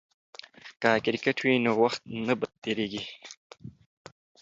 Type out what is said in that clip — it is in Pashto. که کرکټ وي نو وخت نه بد تیریږي.